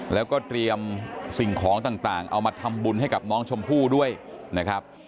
แล้วก็เตรียมสิ่งของต่างเอามาทำบุญให้กับน้องชมพู่ด้วยนะครับ